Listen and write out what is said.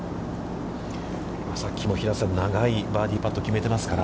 さっきも平瀬さん、長いバーディーパットを決めてますから。